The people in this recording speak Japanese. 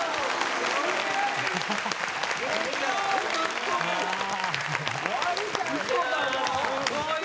すごいわ！